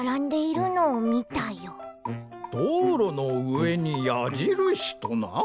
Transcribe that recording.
どうろのうえにやじるしとな？